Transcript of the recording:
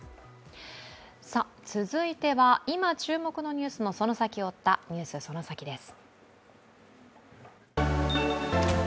続いては今、注目のニュースのその先を追った「ＮＥＷＳそのサキ！」です。